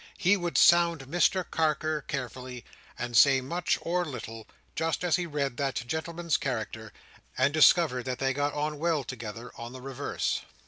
He would sound Mr Carker carefully, and say much or little, just as he read that gentleman's character, and discovered that they got on well together or the reverse.